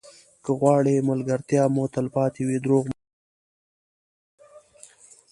که غواړئ ملګرتیا مو تلپاتې وي دروغ مه وایاست.